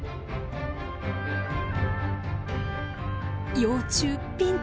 幼虫ピンチ！